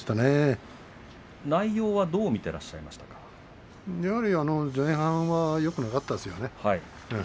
内容はやはり前半はよくなかったですよね。